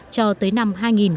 cho tới năm hai nghìn hai mươi năm